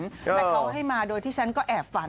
แต่เขาให้มาโดยที่ฉันก็แอบฝัน